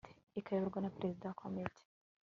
ikayoborwa na perezida wa komite